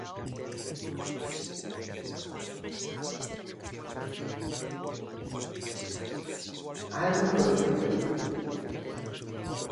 ¡Algo inconcibíbel!